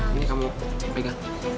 ini kamu pegang